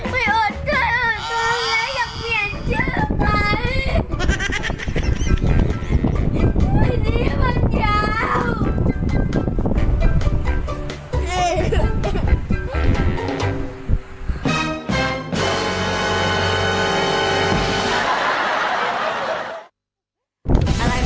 ไม่โอดทนโอดทนแล้วอยากเปลี่ยนชื่อไหม